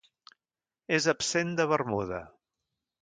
És absent de Bermuda.